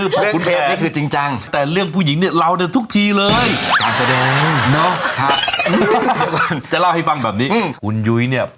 บอกเลยนะครับเคฟก็น่ากิน